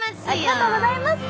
ありがとうございます。